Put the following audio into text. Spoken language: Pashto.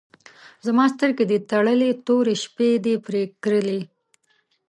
زما سترګې دي تړلي، تورې شپې دي پر کرلي